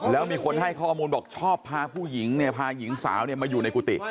แล้วมีคนให้ข้อมูลบอกชอบพาผู้หญิงเนี่ยพาหญิงสาวมาอยู่ในกุฏิ